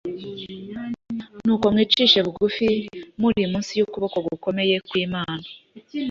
nuko mwicishe bugufi muri munsi y’ukuboko gukomeye kw’imana,